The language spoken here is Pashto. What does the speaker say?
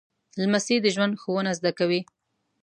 لمسی د ژوند ښوونه زده کوي.